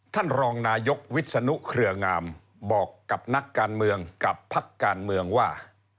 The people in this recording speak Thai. ท่านรองนายกวิศนุเครืองามบอกกับนักการเมืองกับพักการเมืองว่า